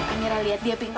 amira lihat dia pinggir